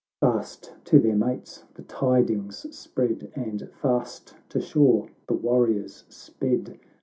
— XIX Fast to their mates the tidings spread, And fast to shore the warriors sped.